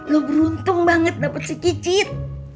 lo beruntung banget dapat si kicit